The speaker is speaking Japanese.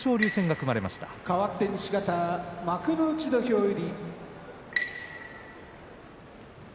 かわって西方幕内土俵入り。